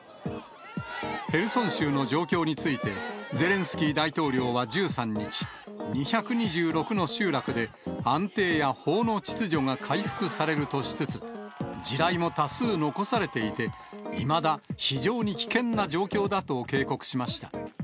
ヘルソン州の状況について、ゼレンスキー大統領は１３日、２２６の集落で安定や法の秩序が回復されるとしつつ、地雷も多数残されていて、いまだ非常に危険な状況だと警告しました。